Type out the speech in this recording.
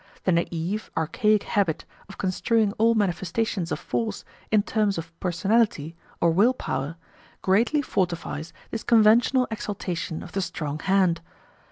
The naive, archaic habit of construing all manifestations of force in terms of personality or "will power" greatly fortifies this conventional exaltation of the strong hand.